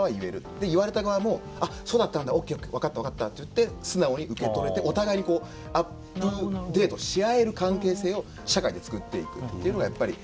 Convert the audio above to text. で言われた側も「あっそうだったんだオッケーオッケー分かった分かった」って言って素直に受け取れてお互いにこうアップデートし合える関係性を社会で作っていくっていうのがやっぱり。